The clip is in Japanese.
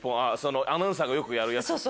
アナウンサーがよくやるやつですね。